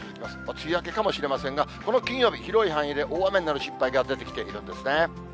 梅雨明けかもしれませんが、この金曜日、広い範囲で大雨になる心配が出てきているんですね。